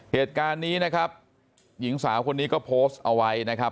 เหตุการณ์นี้นะครับหญิงสาวคนนี้ก็โพสต์เอาไว้นะครับ